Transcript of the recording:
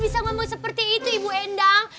bisa ngomong seperti itu ibu endang